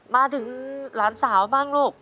มาถึงหลานสาวบ้างลูก